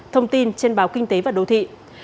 thông tin trên báo kinh tế và đô thị